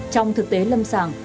trong thực tế lâm sàng